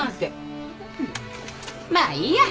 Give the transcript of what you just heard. まあいいや。